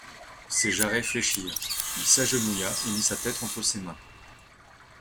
Ses jarrets fléchirent ; il s'agenouilla et mit sa tête entre ses mains.